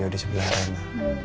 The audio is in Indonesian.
di sebelah rena